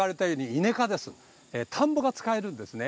田んぼが使えるんですね。